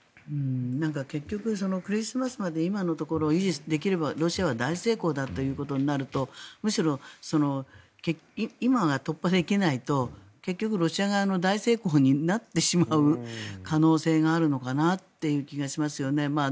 結局、クリスマスまで今のところを維持できればロシアは大成功だとなるとむしろ、今が突破できないと結局、ロシア側の大成功になってしまう可能性があるのかなという気がしますよね。